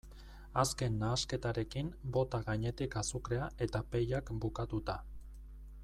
Azken nahasketarekin, bota gainetik azukrea eta pellak bukatuta.